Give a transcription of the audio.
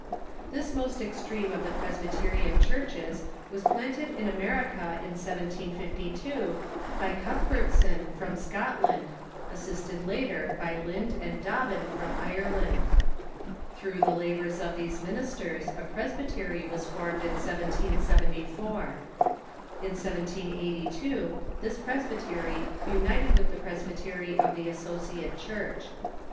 This most extreme of the Presbyterian churches was planted in America in 1752 by Cuthbertson, from Scotland, as sisted later by Lind and Dobbin from Ireland. Through the labors of these ministers a Presbytery was formed in IV 74. In 1782 this Presbytery united with the Presbytery of the Asso ciate Church.